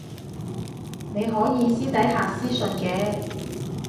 你可以私底下私訊嘅